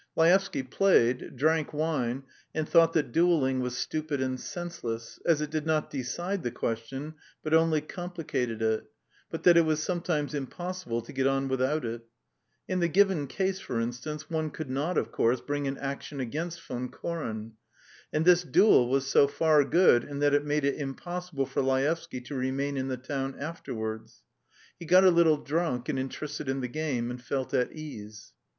Laevsky played, drank wine, and thought that duelling was stupid and senseless, as it did not decide the question but only complicated it, but that it was sometimes impossible to get on without it. In the given case, for instance, one could not, of course, bring an action against Von Koren. And this duel was so far good in that it made it impossible for Laevsky to remain in the town afterwards. He got a little drunk and interested in the game, and felt at ease.